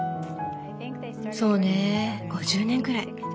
そうね５０年くらい。